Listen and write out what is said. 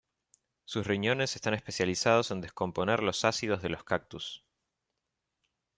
Sus riñones están especializados en descomponer los ácidos de los cactus.